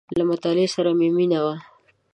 • له مطالعې سره مې مینه وه.